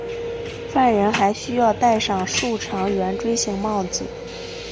犯人还需要戴上竖长圆锥形帽子。